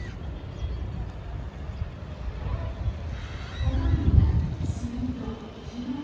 ほとんどがスギとヒノキ。